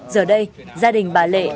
giờ đây gia đình bà lệ